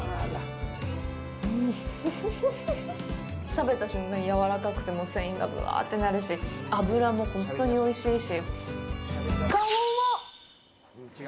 食べた瞬間やわらかくて繊維が、ぶわぁってなるし脂も本当においしいし。